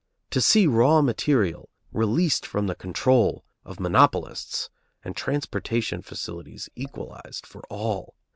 to see raw material released from the control of monopolists, and transportation facilities equalized for all?